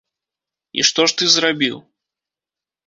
І што ж ты зрабіў?